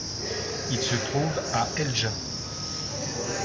Il se trouve à Elgin.